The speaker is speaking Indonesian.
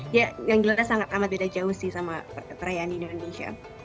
ya yang jelas sangat amat beda jauh sih sama perayaan di indonesia